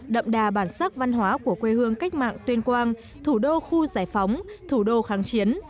đậm đà bản sắc văn hóa của quê hương cách mạng tuyên quang thủ đô khu giải phóng thủ đô kháng chiến